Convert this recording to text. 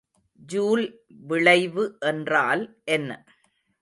Joule விளைவு என்றால் என்ன?